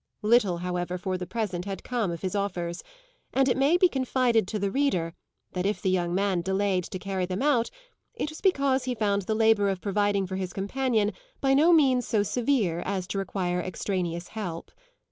Little, however, for the present, had come of his offers, and it may be confided to the reader that if the young man delayed to carry them out it was because he found the labour of providing for his companion by no means so severe as to require extraneous help.